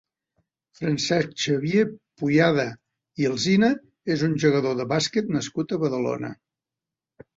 Francesc Xavier Puyada i Alsina és un jugador de bàsquet nascut a Badalona.